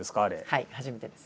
はい初めてです。